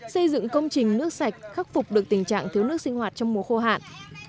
xây dựng công trình nước sạch khắc phục được tình trạng thiếu nước sinh hoạt trong mùa khô hạn